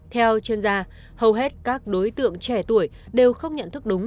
theo chuyên gia hầu hết các đối tượng trẻ tuổi đều không nhận thức đúng